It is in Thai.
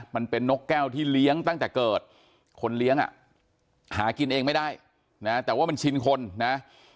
มันเป็นนกแก้วที่เลี้ยงตั้งแต่เกิดคนเลี้ยงอ่ะหากินเองไม่ได้นะแต่ว่ามันชินคนนะ